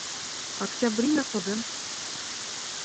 Октябрина, ҡыҙым!